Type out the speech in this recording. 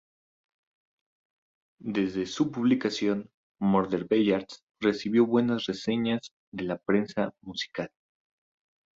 Desde su publicación, "Murder Ballads" recibió buenas reseñas de la prensa musical.